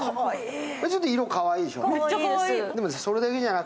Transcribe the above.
ちょっと色、かわいいでしょ。